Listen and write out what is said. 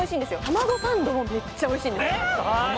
卵サンドもめっちゃおいしいんですよ